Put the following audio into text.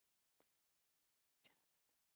在野外很少会见到它们。